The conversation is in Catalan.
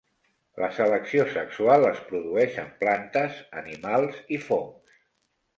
La selecció sexual es produeix en plantes, animals i fongs.